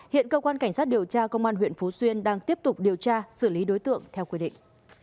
hiện cơ quan cảnh sát điều tra công an huyện phú xuyên đang tiếp tục điều tra xử lý đối tượng theo quy định